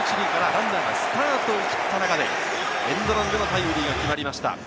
ランナーがスタートを切った中でエンドランでのタイムリーが決まりました。